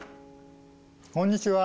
こんにちは。